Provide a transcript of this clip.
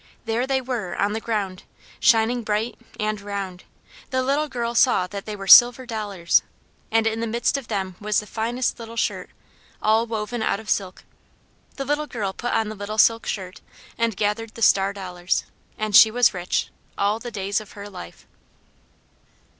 There they were, on the ground, shining bright, and round. The little girl saw that they were silver dollars. And in the midst of them was the finest little shirt, all woven out of silk! The little girl put on the little silk shirt, and gathered the star dollars; and she was rich, all the days of her life.